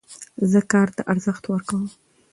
زه کار ته ارزښت ورکوم.